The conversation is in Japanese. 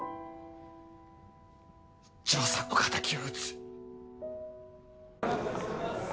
丈さんの敵を討つ。